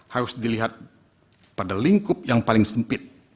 harus dilihat pada lingkup yang paling sempit